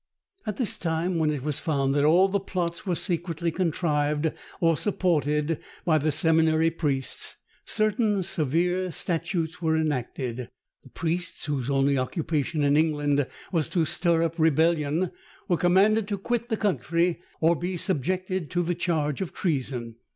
At this time, when it was found that all the plots were secretly contrived or supported by the seminary priests, certain severe statutes were enacted. The priests, whose only occupation in England was to stir up rebellion, were commanded to quit the country, or be subjected to the charge of treason.